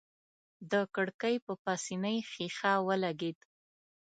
د کړکۍ په پاسنۍ ښيښه ولګېد.